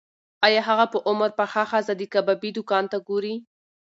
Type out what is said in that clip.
ایا هغه په عمر پخه ښځه د کبابي دوکان ته ګوري؟